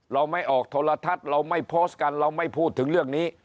เราไม่ออกโทรทัศน์เราไม่โพสต์กันเราไม่พูดถึงเรื่องนี้